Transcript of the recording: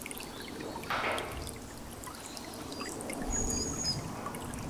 氨基甲酸乙酯是高分子材料聚氨酯的原料之一。